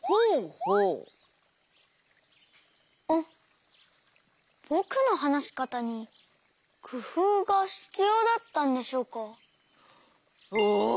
あっぼくのはなしかたにくふうがひつようだったんでしょうか？